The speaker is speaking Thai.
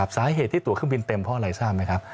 สาเหตุที่ตัวเครื่องบินเต็มเพราะอะไรทราบไหมครับ